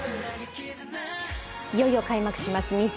いよいよ開幕します